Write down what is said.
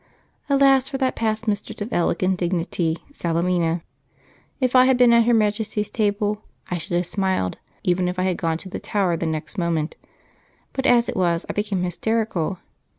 Alas for that past mistress of elegant dignity, Salemina! If I had been at Her Majesty's table, I should have smiled, even if I had gone to the Tower the next moment; but as it was, I became hysterical.